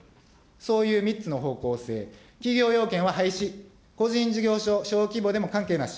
そういう３つの方向性、企業要件は廃止、個人事業所、小規模でも関係なし。